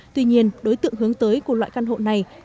tuy nhiên đối tượng hướng tới của loại căn hộ này